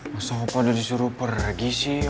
masa opa udah disuruh pergi sih